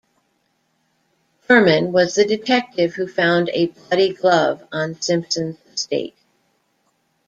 Fuhrman was the detective who found a bloody glove on Simpson's estate.